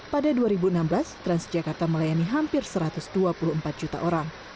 pada dua ribu enam belas transjakarta melayani hampir satu ratus dua puluh empat juta orang